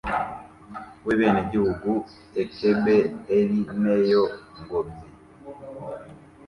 w’ebenegihugu ekebe eri neyo ngobyi